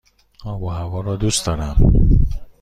آب و هوا را دوست دارم.